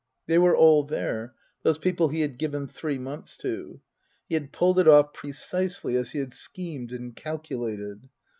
They were all there, those people he had given three months to. He had pulled it off precisely as he had schemed and calculated.